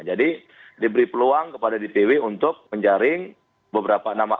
jadi diberi peluang kepada dpw untuk menjaring beberapa nama